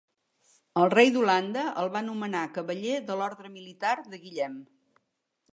El rei d'Holanda el va nomenar cavaller de l'Orde Militar de Guillem